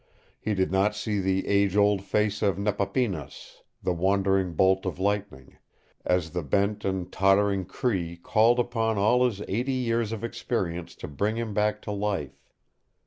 He did not see the age old face of Nepapinas "The Wandering Bolt of Lightning" as the bent and tottering Cree called upon all his eighty years of experience to bring him back to life.